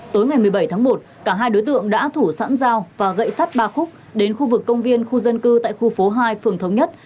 tối ngày một mươi bảy tháng một cả hai đối tượng đã thủ sẵn dao và gậy sắt ba khúc đến khu vực công viên khu dân cư tại khu phố hai phường thống nhất